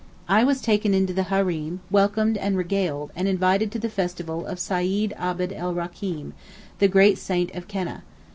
I was taken into the hareem, welcomed and regaled, and invited to the festival of Seyd Abd er Racheem, the great saint of Keneh.